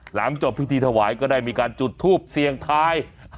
หลังจบพิธีถวายก็ได้มีการจุดทูปเสี่ยงทาย